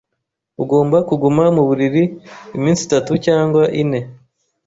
Ugomba kuguma mu buriri iminsi itatu cyangwa ine.